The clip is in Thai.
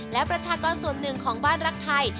และประชากรส่วนหนึ่งของบ้านรักไทย